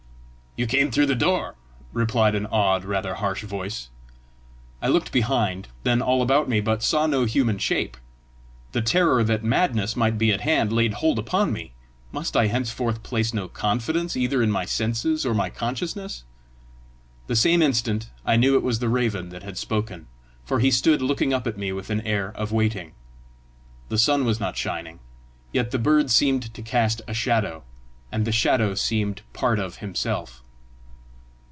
"You came through the door," replied an odd, rather harsh voice. I looked behind, then all about me, but saw no human shape. The terror that madness might be at hand laid hold upon me: must I henceforth place no confidence either in my senses or my consciousness? The same instant I knew it was the raven that had spoken, for he stood looking up at me with an air of waiting. The sun was not shining, yet the bird seemed to cast a shadow, and the shadow seemed part of himself.